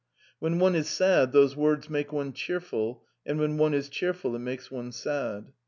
When one is sad, these words make one cheerful; and when one is cheerful, they make one sad.